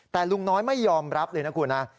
แต่ลุงน้อยไม่ยอมรับเลยนะคุณนะ